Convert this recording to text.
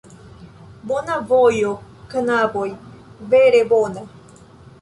Bona vojo, knaboj, vere bona.